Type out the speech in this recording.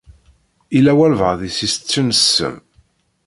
Yella walebɛaḍ i s-iseččen ssem.